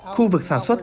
khu vực sản xuất